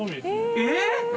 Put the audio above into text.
えっ！？